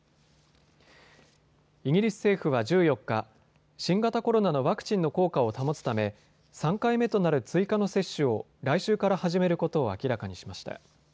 イギリス政府は１４日、新型コロナのワクチンの効果を保つため３回目となる追加の接種を来週から始めることを明らかにしました。